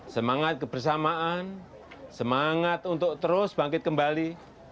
semangat kebersamaan semangat untuk terus bangkit kembali